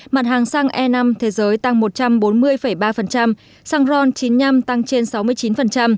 mặt hàng xăng e năm thế giới tăng một trăm bốn mươi ba xăng ron chín mươi năm tăng trên sáu mươi chín